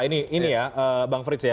ini ya bang frits ya